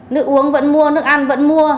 nước uống vẫn mua nước ăn vẫn mua